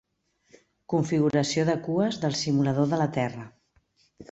Configuració de cues del simulador de la Terra.